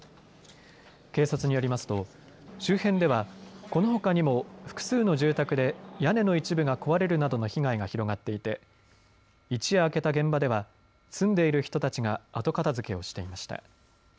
警察によりますと周辺ではこのほかにも複数の住宅で屋根の一部が壊れるなどの被害が広がっていて一夜明けた現場では住んでいる人たちが後片づけをしていました。